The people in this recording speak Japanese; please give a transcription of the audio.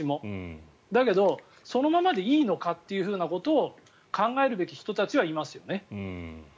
だけど、そのままでいいのかっていうことを考えるべき人たちはいますよね。